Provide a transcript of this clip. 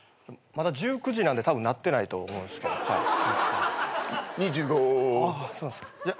まだ１９時なんでたぶんなってないと思うんすけど。